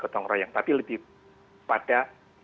tapi lebih pada